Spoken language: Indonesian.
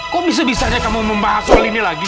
kok bisa bisanya kamu membahas soal ini lagi